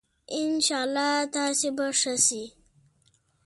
ان شاءاللّه تاسي به ښه سئ